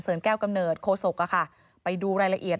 เพราะลูกหนูอยู่ในรถ